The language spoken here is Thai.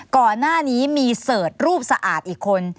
ก่อนหน้านี้มีเสิร์ชรูปสะอาดอีกคน